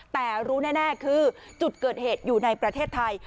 แต่รู้แน่คือจุดเกิดเหตุอยู่ในประเทศไทย